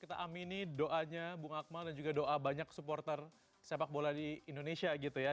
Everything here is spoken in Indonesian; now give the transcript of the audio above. kita amini doanya bung akmal dan juga doa banyak supporter sepak bola di indonesia gitu ya